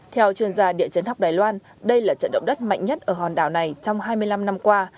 theo chuyên gia địa chấn học đài loan đây là trận động đất mạnh nhất ở hòn đảo này trong hai mươi năm năm qua